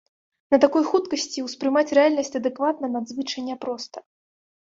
На такой хуткасці ўспрымаць рэальнасць адэкватна надзвычай няпроста.